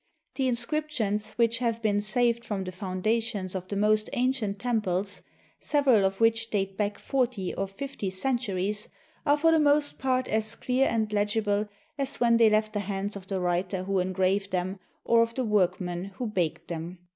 The inscrip tions which have been saved from the foundations of the most ancient temples, several of which date back forty or fifty centuries, are for the most part as clear and legible as when they left the hands of the writer who engraved them or of the workmen who baked them.